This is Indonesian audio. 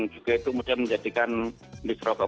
juga itu mudah menjadikan industri rokok